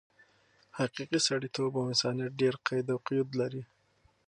حقیقي سړیتوب او انسانیت ډېر قید او قیود لري.